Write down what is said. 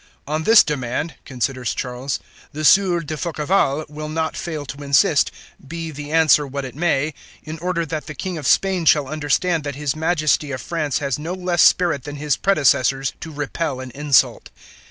"On this demand," concludes Charles, "the Sieur de Forquevaulx will not fail to insist, be the answer what it may, in order that the King of Spain shall understand that his Majesty of France has no less spirit than his predecessors to repel an insult."